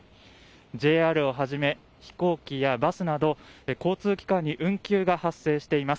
ＪＲをはじめ、飛行機やバスなど、交通機関に運休が発生しています。